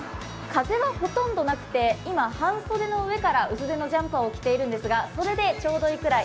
風はほとんどなくて、今半袖の上から薄手のジャンパーを着ているのですが、それでちょうどいいくらい。